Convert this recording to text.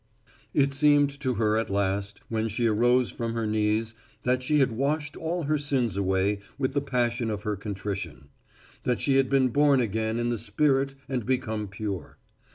It seemed to her at last, when she arose from her knees that she had washed all her sins away with the passion of her contrition; that she had been born again in the spirit and become pure.